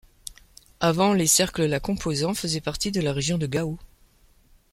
Avant les cercles la composant faisait partie de la région de Gao.